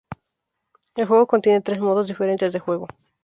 El juego contiene tres modos diferentes de juego.